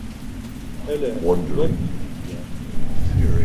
Hele, dodgitit, ya.